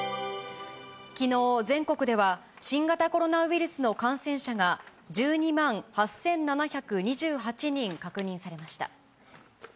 きのう、全国では新型コロナウイルスの感染者が１２万８７２８人確認されました。